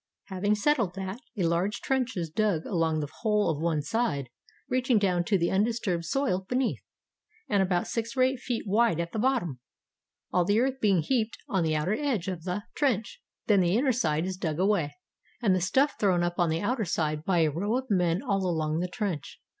Having settled that, a large trench is dug along the whole of one side, reaching down to the undisturbed soil beneath, and about six or eight feet wide at the bottom, all the earth being heaped on the outer edge of the trench. Then the inner side is dug away, and the stuff thrown up on the outer side by a row of men all along the trench.